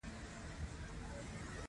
او نيکوټین وغېره وي -